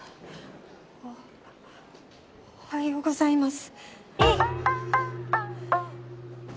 おおはようございます。